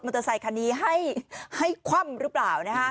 เตอร์ไซคันนี้ให้คว่ำหรือเปล่า